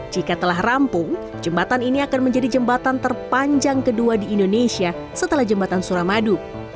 jika telah rampung jembatan ini akan menjadi jembatan terpanjang kedua di indonesia setelah jembatan suramadu